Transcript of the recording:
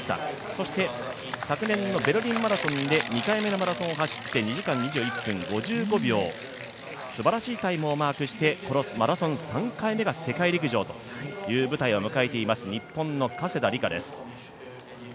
そして、昨年ベルリンマラソンで２回目のマラソンを走って、２時間２１分５５秒、すばらしいタイムをマークしてこのマラソン３回目が世界陸上という舞台を迎えています、日本の加世田梨花です。